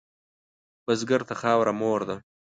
بزګر ته خاوره مور ده